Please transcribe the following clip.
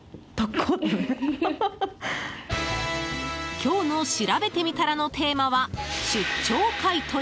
今日のしらべてみたらのテーマは出張買い取り。